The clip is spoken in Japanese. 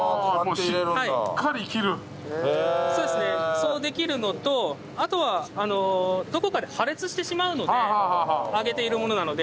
そうできるのとあとはどこかで破裂してしまうので揚げているものなので。